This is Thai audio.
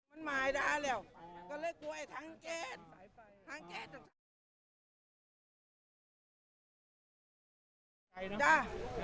มันมาให้ดาแล้วก็เลยกลัวไอ้ทางเกรด